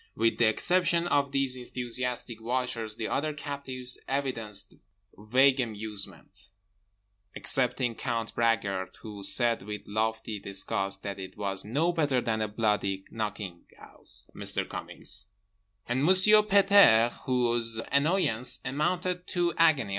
With the exception of these enthusiastic watchers, the other captives evidenced vague amusement—excepting Count Bragard who said with lofty disgust that it was "no better than a bloody knocking 'ouse, Mr. Cummings" and Monsieur Pet airs whose annoyance amounted to agony.